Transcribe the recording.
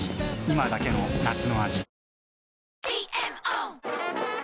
今だけの夏の味